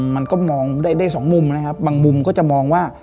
มันก็มองได้สองมุมนะครับบางมุมก็จะมองว่า